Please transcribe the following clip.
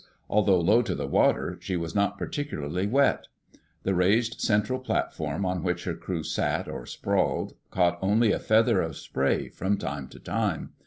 Although low to the water, she was not particularly "wet." The raised central platform on which her crew sat or sprawled caught only a feather of spray from time to time.